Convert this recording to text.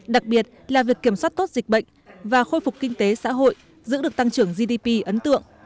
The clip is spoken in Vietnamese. đặc biệt là việc kiểm soát tốt dịch bệnh và khôi phục kinh tế xã hội giữ được tăng trưởng gdp ấn tượng